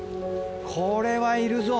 これはいるぞ。